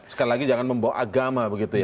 sekali lagi jangan membawa agama begitu ya